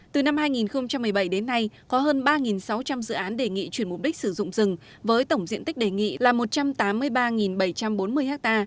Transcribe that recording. từ năm hai nghìn một mươi bảy đến nay có hơn ba sáu trăm linh dự án đề nghị chuyển mục đích sử dụng rừng với tổng diện tích đề nghị là một trăm tám mươi ba bảy trăm bốn mươi ha